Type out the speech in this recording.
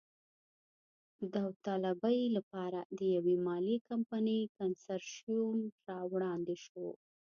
د داوطلبۍ لپاره د یوې مالي کمپنۍ کنسرشیوم را وړاندې شو.